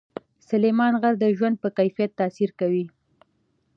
سلیمان غر د ژوند په کیفیت تاثیر کوي.